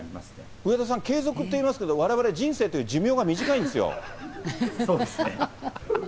上田さん、継続って言いますけど、われわれ人生という寿命が短いんですよ。